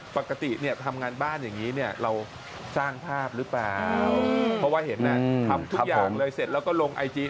เพราะว่าเห็นน่ะทำทุกอย่างเลยเสร็จแล้วก็ลงไอจี